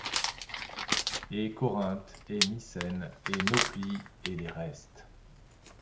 Et Corinthe, et Mycène, et Nauplie, et les restes